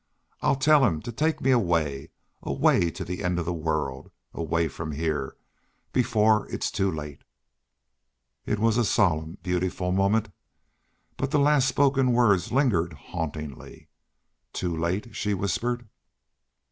I'll tell him to take me away away to the end of the world away from heah before it's too late!" It was a solemn, beautiful moment. But the last spoken words lingered hauntingly. "Too late?" she whispered.